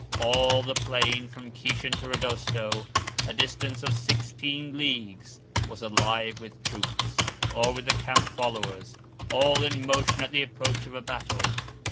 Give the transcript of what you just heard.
All the plain, from Kishan to Rodosto, a distance of sixteen leagues, was alive with troops, or with the camp followers, all in motion at the approach of a battle.